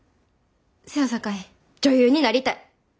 せやさかい女優になりたい。